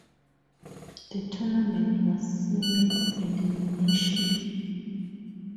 The tournament was single-elimination.